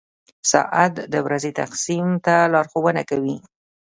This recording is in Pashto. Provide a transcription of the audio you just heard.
• ساعت د ورځې تقسیم ته لارښوونه کوي.